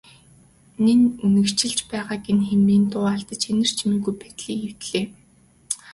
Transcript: Энэ үнэгчилж байгааг нь хэмээн дуу алдаж анир чимээгүй байдлыг эвдлээ.